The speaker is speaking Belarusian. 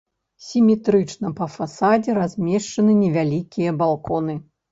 Сіметрычна па фасадзе размешчаны невялікія балконы.